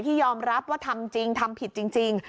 ยอมรับว่าทำจริงทำผิดจริง